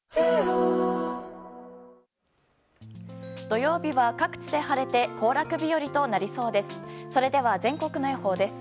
土曜日は各地で晴れて行楽日和となりそうです。